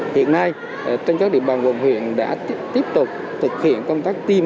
hiện nay trên các địa bàn quận huyện đã tiếp tục thực hiện công tác tiêm